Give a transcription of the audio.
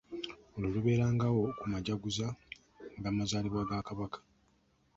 Olwo lubeerangawo ku majaguza g’amazaalibwa ga Kabaka.